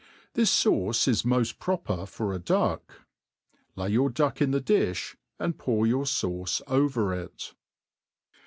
This fauce is mod proper for a duck; lay your duck in ths difh, and pour your fauce over it.